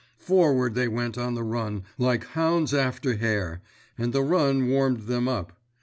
Forward they went on the run like hounds after hare, and the run warmed them up.